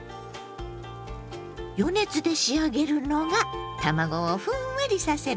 余熱で仕上げるのが卵をふんわりさせるコツなのよ。